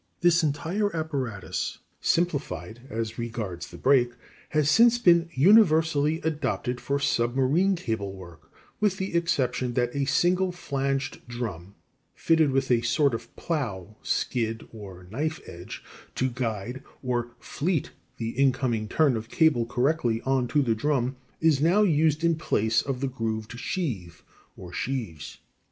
" This entire apparatus simplified as regards the brake has since been universally adopted for submarine cable work, with the exception that a single flanged drum, fitted with a sort of plow, skid, or knife edge to guide or "fleet" the incoming turn of cable correctly on to the drum is now used in place of the grooved sheave, or sheaves.